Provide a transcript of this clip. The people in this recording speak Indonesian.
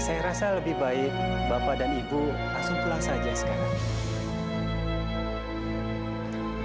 saya rasa lebih baik bapak dan ibu langsung pulang saja sekarang